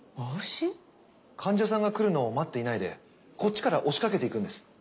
患者さんが来るのを待っていないでこっちから押しかけていくんです。